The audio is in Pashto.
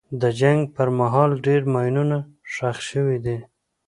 د جنګ پر مهال ډېر ماینونه ښخ شوي دي.